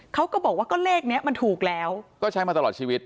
เขาก็บอกว่าก็เลขนี้มันถูกแล้วก็ใช้มาตลอดชีวิต